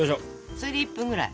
それで１分ぐらい。